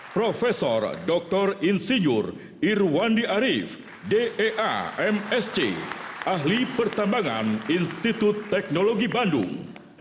prof dr insinyur irwandi arief dea msc ahli pertambangan institut teknologi bandung